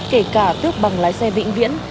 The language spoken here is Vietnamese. kể cả tước bằng lái xe vĩnh viễn